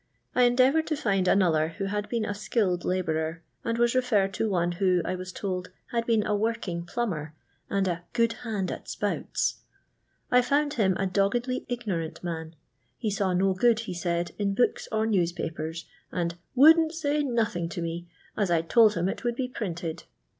I endeavoured to find a knuller who had been a skilled labourer, and was referred to one who, I was told, had been a working plumber, and a "good hand at spouts." . I found him a doggedly ignorant man ; he saw no good, he said, in books or newspapers, and " wouldn't say nothing to me, as I *d told him it would be printed.